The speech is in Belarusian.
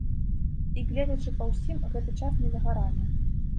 І, гледзячы па ўсім, гэты час не за гарамі.